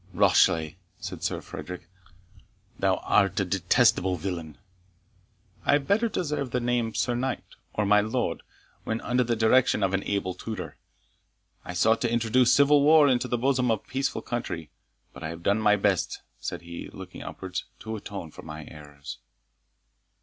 "Rashleigh," said Sir Frederick, "thou art a detestable villain!" "I better deserved the name, Sir Knight, or my Lord, when, under the direction of an able tutor, I sought to introduce civil war into the bosom of a peaceful country. But I have done my best," said he, looking upwards, "to atone for my errors."